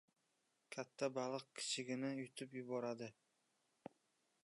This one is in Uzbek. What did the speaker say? • Katta baliq kichigini yutib yuboradi.